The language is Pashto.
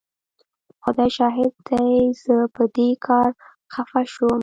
خدای شاهد دی زه په دې کار خفه شوم.